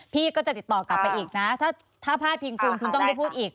พี่ก็จะติดต่อกลับไปอีกนะถ้าพาดพิงคุณคุณต้องได้พูดอีก